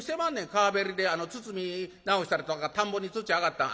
川べりで堤直したりとか田んぼに土上がったん。